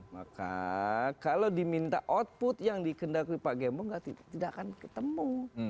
maka kalau diminta output yang dikendaki pak gembong tidak akan ketemu